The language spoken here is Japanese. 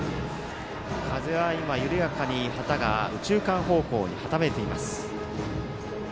風は緩やかに旗が右中間方向にはためいています。